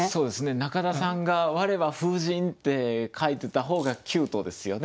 中田さんが「われは風神」って書いてた方がキュートですよね